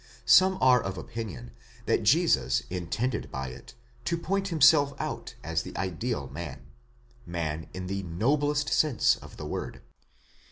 Some are of opinion that Jesus intended by it to point himself out as the ideal man—man in the noblest sense of the word